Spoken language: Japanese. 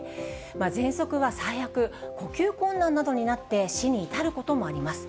ぜんそくは最悪、呼吸困難などになって死に至ることもあります。